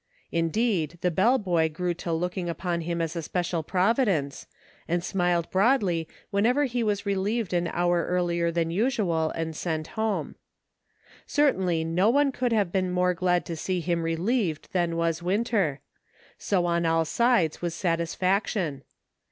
Indeed the bell DIFFERING WORLDS. I97 boy grew to looking upon him as a special provi dence, and smiled broadly whenever he was re lieved an hour earlier than usual and sent home. Certainly no one could have been more glad to see him relieved than was Winter ; so on all sides was satisfaction.